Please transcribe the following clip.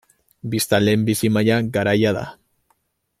Biztanleen bizi maila garaia da.